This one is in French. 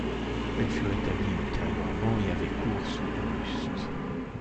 Elle fut rétablie ultérieurement et avait cours sous Auguste.